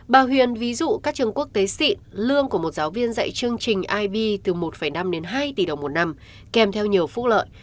bà huyền ví dụ các trường quốc tế sị lương của một giáo viên dạy chương trình ib từ một năm đến hai tỷ đồng một năm kèm theo nhiều phúc lợi